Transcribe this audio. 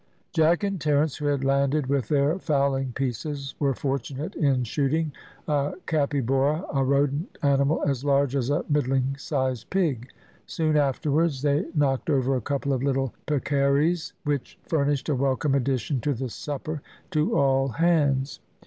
Jack and Terence, who had landed with their fowling pieces, were fortunate in shooting a capybora, a rodent animal as large as a middling sized pig. Soon afterwards they knocked over a couple of little peccaries, which furnished a welcome addition to the supper to all hands.